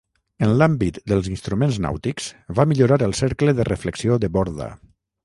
En l'àmbit dels instruments nàutics, va millorar el cercle de reflexió de Borda.